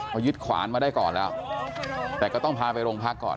พอยึดขวานมาได้ก่อนแล้วแต่ก็ต้องพาไปโรงพักก่อน